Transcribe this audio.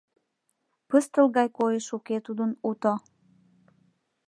Пыстыл гай койыш уке тудын уто